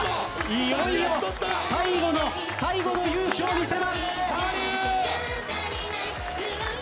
いよいよ最後の最後の勇姿を見せます。